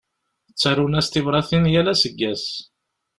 Ttarun-as tibratin yal aseggas.